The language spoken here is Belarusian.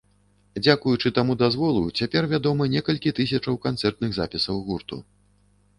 Дзякуючы таму дазволу, цяпер вядома некалькі тысячаў канцэртных запісаў гурту.